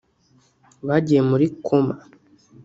bagiye muri koma